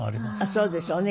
そうでしょうね。